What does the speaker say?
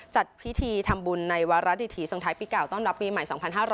จัดพิธีทำบุญในวาระดิถีส่งท้ายปีเก่าต้อนรับปีใหม่๒๕๖๐